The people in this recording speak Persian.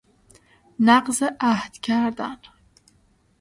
نقض عﮩد کردن